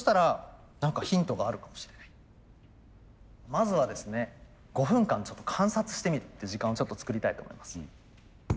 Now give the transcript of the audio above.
まずはですね５分間ちょっと観察してみるって時間をちょっと作りたいと思います。